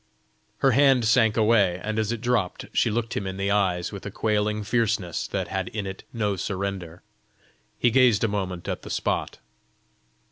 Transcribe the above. Her hand sank away, and as it dropt she looked him in the eyes with a quailing fierceness that had in it no surrender. He gazed a moment at the spot.